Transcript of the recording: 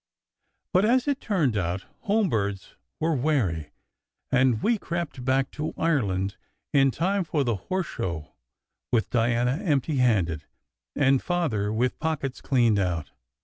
But as it turned out, home birds were wary, and we crept back to Ireland in time for the horse show with Diana empty handed, and Father with pockets cleaned out.